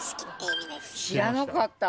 知らなかった。